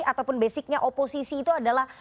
ataupun basicnya oposisi itu adalah